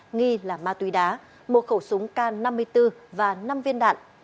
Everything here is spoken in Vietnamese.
nghi là ma túy đá một khẩu súng k năm mươi bốn và năm viên đạn